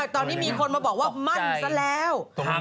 ตอนนี้มีคนมาบอกว่ามั่นซะแล้ว